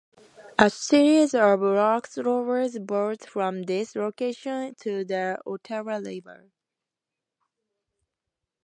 A series of locks lowers boats from this location to the Ottawa River.